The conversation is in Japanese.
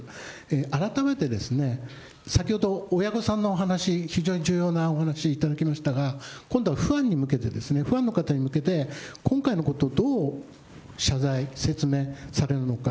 改めて、先ほど親御さんのお話、非常に重要なお話いただきましたが、今度はファンに向けて、ファンの方に向けて、今回のこと、どう謝罪、説明されるのか。